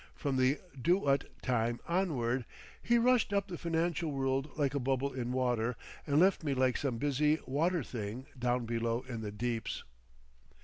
From the Do Ut time onward he rushed up the financial world like a bubble in water and left me like some busy water thing down below in the deeps.